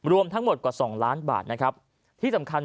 รวมทั้งหมดกว่า๒ล้านบาท